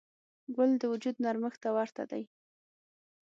ګل د وجود نرمښت ته ورته دی.